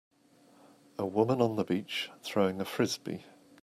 A woman on the beach throwing a frisbee.